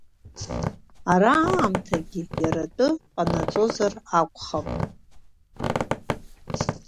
Ара аамҭагьы иара атәы ҟанаҵозар акәхап…